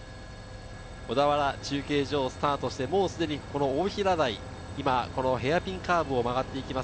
小田原中継所をスタートして、すでに大平台ヘアピンカーブを曲がっていきます。